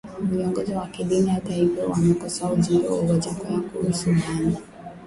Viongozi wa kidini hata hivyo wamekosoa ujumbe wa Wajackoya kuhusu bangi